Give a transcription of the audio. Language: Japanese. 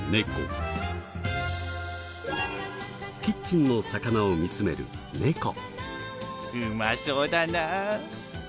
キッチンの魚を見つめる猫。